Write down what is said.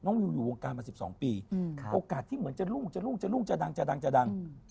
วิวอยู่วงการมา๑๒ปีโอกาสที่เหมือนจะรุ่งจะรุ่งจะรุ่งจะดังจะดังจะดัง